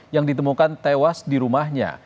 yang ditemukan tewas di rumahnya